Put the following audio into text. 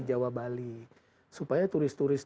jawa bali supaya turis turis